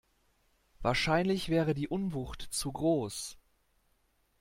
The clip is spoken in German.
Wahrscheinlich wäre die Unwucht zu groß.